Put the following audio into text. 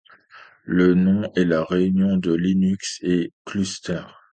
Le nom est la réunion de Linux et cluster.